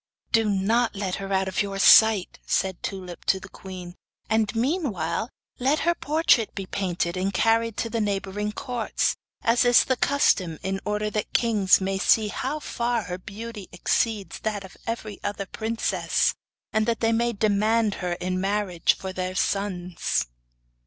'Do not let her out of your sight,' said Tulip to the queen, 'and meanwhile, let her portrait be painted and carried to the neighbouring Courts, as is the custom in order that the kings may see how far her beauty exceeds that of every other princess, and that they may demand her in marriage for their sons.